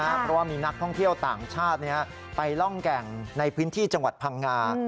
เพราะว่ามีนักท่องเที่ยวต่างชาติไปล่องแก่งในพื้นที่จังหวัดพังงา